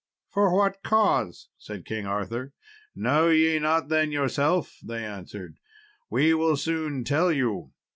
"For what cause?" said King Arthur. "Know ye not then yourself?" they answered "we will soon tell you.